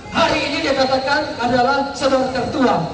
hari ini dikatakan adalah saudara tertua